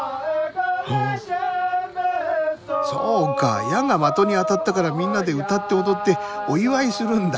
そうか矢が的に当たったからみんなで歌って踊ってお祝いするんだ。